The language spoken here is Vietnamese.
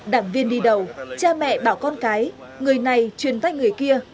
đảng viên đi đầu cha mẹ bảo con cái người này truyền tách người kia